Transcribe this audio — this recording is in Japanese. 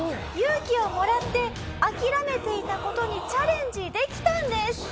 「勇気をもらって諦めていた事にチャレンジできたんです！」。